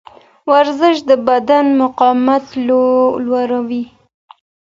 ورزش د بدن مقاومت لوړوي.